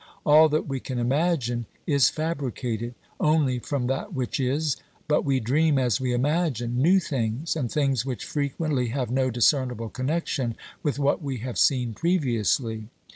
All that we can imagine is fabricated only from that which is, but we dream, as we imagine, new things and things which frequently have no discernible connection with what we have seen previously.